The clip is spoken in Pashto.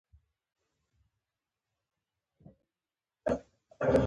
د امازون د سیند کیڼې غاړي لوی مرستیال دی.